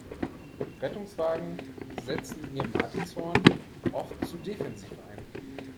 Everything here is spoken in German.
Rettungswagen setzen ihr Martinshorn oft zu defensiv ein.